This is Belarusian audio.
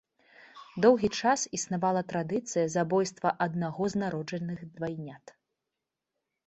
Доўгі час існавала традыцыя забойства аднаго з народжаных двайнят.